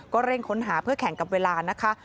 เร่งค้นหาเพื่อแข่งกับเวลานะคะ